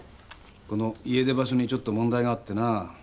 この家出場所にちょっと問題があってなぁ。